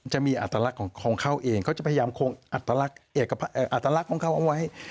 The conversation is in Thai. จะมีอัตลักษณ์ของเขาเองเขาจะพยายามคงอัตลักษณ์ของเขาเอาไว้